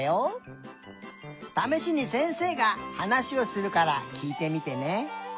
ためしにせんせいがはなしをするからきいてみてね。